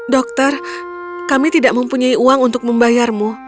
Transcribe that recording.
dokter kami tidak mempunyai uang untuk membayarmu